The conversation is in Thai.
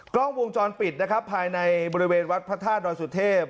กล้องวงจรปิดนะครับภายในบริเวณวัดพระธาตุดอยสุเทพ